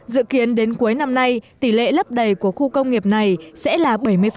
dự kiến đến cuối năm nay tỷ lệ lấp đầy của khu công nghiệp này sẽ là bảy mươi